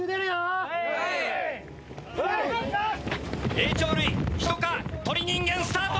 霊長類人科鳥人間スタート！